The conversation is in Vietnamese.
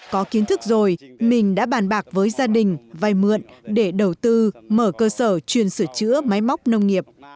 có kiến thức rồi mình đã bàn bạc với gia đình vay mượn để đầu tư mở cơ sở chuyên sửa chữa máy móc nông nghiệp